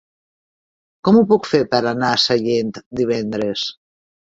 Com ho puc fer per anar a Sallent divendres?